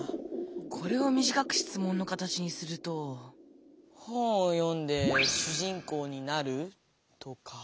これをみじかく質問の形にすると「本を読んでしゅじんこうになる？」とか。